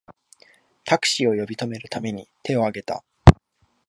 タクシーを呼び止めるために手をあげた